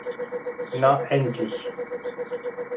Na endlich!